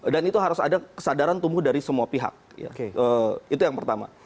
dan itu harus ada kesadaran tumbuh dari semua pihak itu yang pertama